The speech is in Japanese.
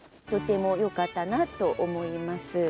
とてもよかったなと思います。